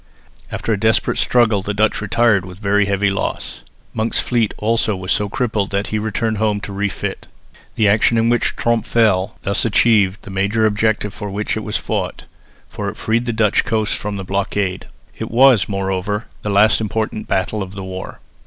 After a desperate struggle the Dutch retired with very heavy loss. Monk's fleet also was so crippled that he returned home to refit. The action in which Tromp fell thus achieved the main object for which it was fought, for it freed the Dutch coast from blockade. It was, moreover, the last important battle in the war.